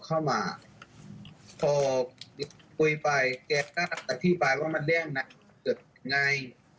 เข้ามาพอคุยไปแกก็อธิบายว่ามันเรียกนักเกิดยังไง